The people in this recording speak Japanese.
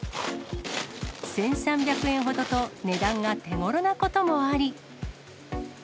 １３００円ほどと値段が手ごろなこともあり。